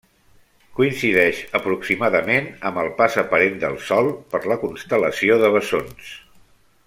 Coincideix aproximadament amb el pas aparent del Sol per la constel·lació de Bessons.